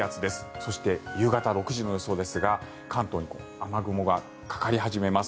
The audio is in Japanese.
そして、夕方６時の予想ですが関東に雨雲がかかり始めます。